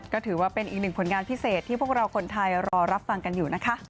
ก็ถือว่าเป็นอีกหนึ่งผลงานพิเศษที่พวกเราคนไทยรอรับฟังกันอยู่นะคะ